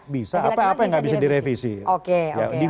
bisa apa apa yang nggak bisa direvisi